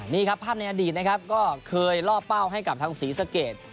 นี่ครับภาพในอดีตนะครับก็เคยล่อเป้าให้กับทางศรีสะเกด